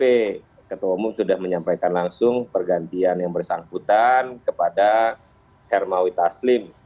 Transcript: jadi ketua umum sudah menyampaikan langsung pergantian yang bersangkutan kepada hermawi taslim